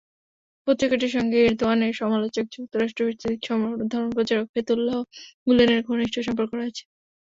পত্রিকাটির সঙ্গে এরদোয়ানের সমালোচক যুক্তরাষ্ট্রভিত্তিক ধর্মপ্রচারক ফেতুল্লাহ গুলেনের ঘনিষ্ঠ সম্পর্ক রয়েছে।